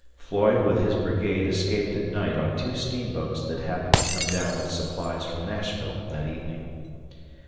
Floyd with his brigade escaped at night on two steamboats that happened to come down with supplies from Nashville that evening.